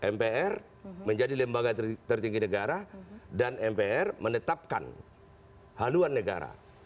mpr menjadi lembaga tertinggi negara dan mpr menetapkan haluan negara